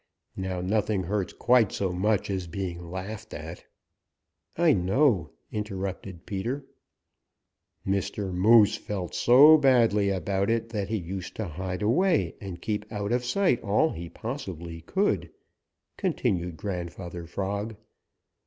Now nothing hurts quite so much as being laughed at." "I know," interrupted Peter. "Mr. Moose felt so badly about it that he used to hide away and keep out of sight all he possibly could," continued Grandfather Frog.